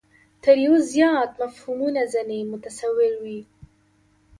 تر یوه زیات مفهومونه ځنې متصور وي.